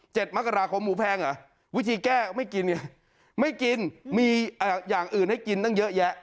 มกราคมหมูแพงเหรอวิธีแก้ไม่กินไงไม่กินมีอย่างอื่นให้กินตั้งเยอะแยะ